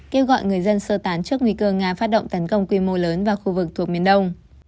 kêu gọi người dân sơ tán trước nguy cơ nga phát động tấn công quy mô lớn vào khu vực thuộc miền đông